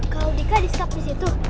kalau dika diskap disitu